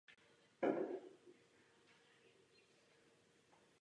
Dohoda z Kodaně se musí vztahovat na všechny světové emise.